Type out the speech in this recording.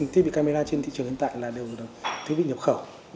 thiết bị camera trên thị trường hiện tại là đều thiết bị nhập khẩu